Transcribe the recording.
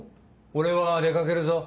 俺は出かけるぞ。